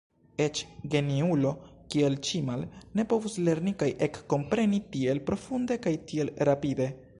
Eĉ geniulo, kiel Ĉimal, ne povus lerni kaj ekkompreni tiel profunde kaj tiel rapide.